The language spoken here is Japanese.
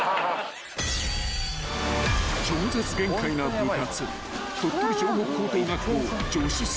［超絶限界な部活］